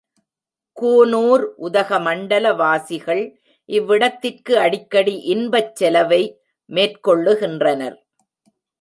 கூனூர், உதகமண்டல வாசிகள் இவ்விடத்திற்கு அடிக்கடி இன்பச் செலவை மேற்கொள்ளுகின்றனர்.